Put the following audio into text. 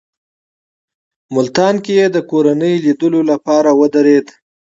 ملتان کې یې د کورنۍ لیدلو لپاره ودرېد.